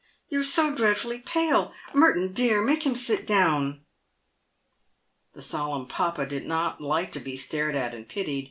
You are so dreadfully pale ! Merton, dear, make him sit down." The solemn papa did not like to be stared at and pitied.